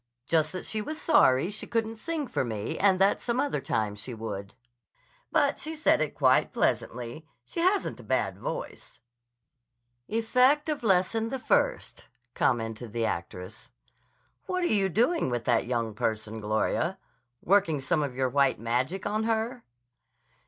Just that she was sorry she couldn't sing for me and that some other time she would. But she said it quite pleasantly. She hasn't a bad voice." "Effect of Lesson the First," commented the actress. "What are you doing with that young person, Gloria? Working some of your white magic on her?"